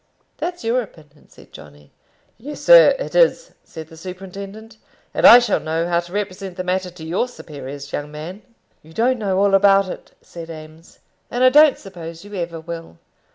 "That's your opinion," said Johnny. "Yes, sir, it is," said the superintendent; "and I shall know how to represent the matter to your superiors, young man." "You don't know all about it," said Eames; "and I don't suppose you ever will.